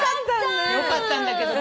よかったんだけども。